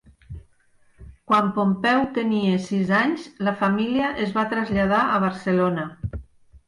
Quan Pompeu tenia sis anys, la família es va traslladar a Barcelona.